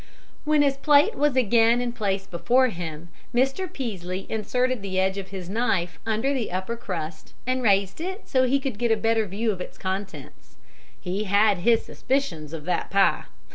When his plate was again in place before him, Mr. Peaslee inserted the edge of his knife under the upper crust and raised it so that he could get a better view of its contents; he had his suspicions of that pie.